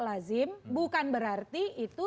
lazim bukan berarti itu